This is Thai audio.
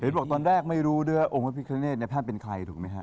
เห็นบอกตอนแรกไม่รู้ด้วยองค์พระพิฆาเนตนี่แทบเป็นใครถูกไหมครับ